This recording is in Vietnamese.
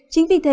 chính vì thế